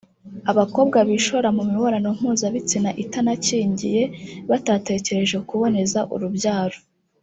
abakobwa bishora mu mibonano mpuzabitsina itanakingiye batatekereje ku kuboneza urubyaro